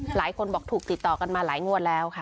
หลายคนบอกถูกติดต่อกันมาหลายงวดแล้วค่ะ